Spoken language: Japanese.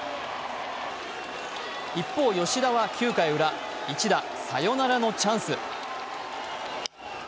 一方、吉田は９回ウラ一打サヨナラのチャンス。